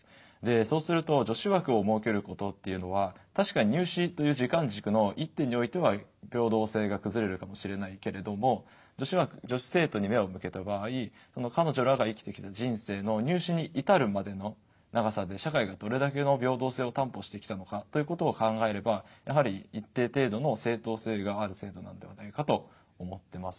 そうすると女子枠を設けることというのは確かに入試という時間軸の一点においては平等性が崩れるかもしれないけれども女子枠女子生徒に目を向けた場合彼女らが生きてきた人生の入試に至るまでの長さで社会がどれだけの平等性を担保してきたのかということを考えればやはり一定程度の正当性がある制度なんではないかと思ってます。